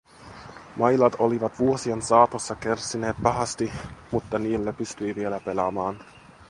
Mailat olivat vuosien saatossa kärsineet pahasti, mutta niillä pystyi vielä pelaamaan.